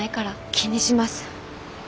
気にします。